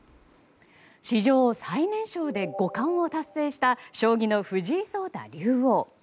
史上最年少で五冠を達成した将棋の藤井聡太竜王。